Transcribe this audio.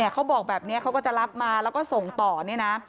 เขาบอกแบบนี้เขาก็จะรับมาแล้วก็ส่งต่อเนี่ยนะ